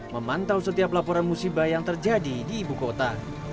memantau setiap laporan musibah yang terjadi di ibu kota